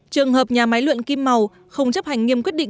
trường hợp nhà máy luyện kim màu không chấp hành nghiêm quyết định